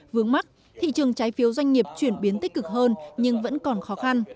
vướng mắt thị trường trái phiếu doanh nghiệp chuyển biến tích cực hơn nhưng vẫn còn khó khăn